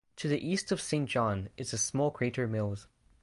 To the east of Saint John is the small crater Mills.